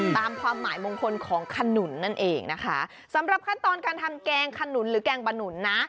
ตามความหมายมงคลของขนุนนั่นเองนะคะสำหรับขั้นตอนการทำแกงขนุนหรือแกงบะหนุนนะ